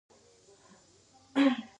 ښتې د افغانانو د ګټورتیا برخه ده.